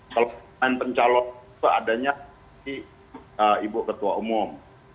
kalau main pencalon itu adanya di ibu ketua umum